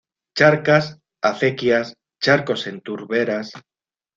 Charcas, acequias, charcos en turberas.